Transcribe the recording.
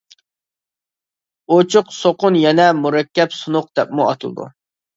ئۇچۇق سۇقۇن يەنە مۇرەككەپ سۇنۇق دەپمۇ ئاتىلىدۇ.